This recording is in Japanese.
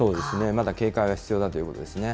まだ警戒は必要だということですね。